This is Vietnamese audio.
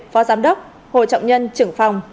phó giám đốc hồ trọng nhân trưởng phòng